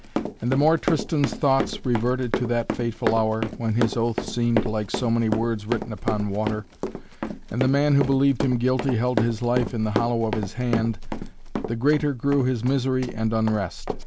And the more Tristan's thoughts reverted to that fateful hour, when his oath seemed like so many words written upon water, and the man who believed him guilty held his life in the hollow of his hand, the greater grew his misery and unrest.